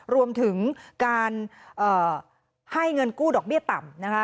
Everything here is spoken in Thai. รวมถึงการให้เงินกู้ดอกเบี้ยต่ำนะคะ